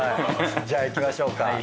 じゃあいきましょうか。